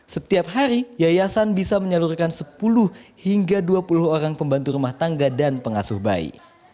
setiap hari yayasan bisa menyalurkan sepuluh hingga dua puluh orang pembantu rumah tangga dan pengasuh bayi